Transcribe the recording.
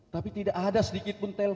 tapi tidak ada sedikit pun telko